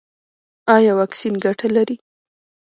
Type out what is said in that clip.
ایا واکسین ګټه لري؟